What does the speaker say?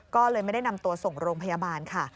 ก็เลยไม่ได้นำตัวส่งโรงพยาบาลค่ะ